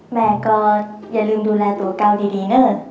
แม่ก็อย่าลืมดูแลตัวก้าวดีเนอะ